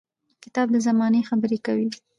• کتاب د زمانې خبرې درکوي.